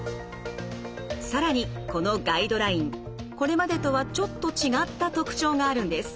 更にこのガイドラインこれまでとはちょっと違った特徴があるんです。